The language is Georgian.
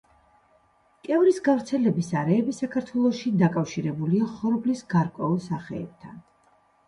კევრის გავრცელების არეები საქართველოში დაკავშირებულია ხორბლის გარკვეულ სახეებთან.